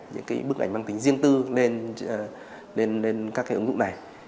những cái bức ảnh mang tính riêng tư lên các cái ứng dụng này